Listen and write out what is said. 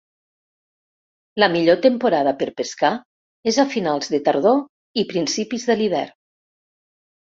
La millor temporada per pescar és a finals de tardor i principis de l'hivern.